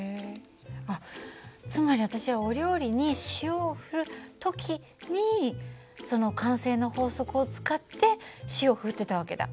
あっつまり私はお料理に塩を振る時にその慣性の法則を使って塩を振ってた訳だ。